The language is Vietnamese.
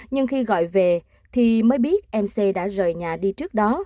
nhưng khi gọi về thì mới biết em c đã rời nhà đi trước đó